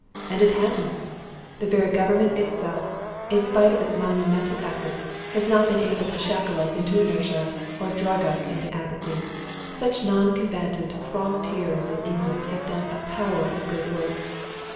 And it hasn't! The very Government itself, in spite of its monumental efforts, has not been able to shackle us into inertia or drug us into apathy. Such non combatant francs tireurs in England have done a power of good work.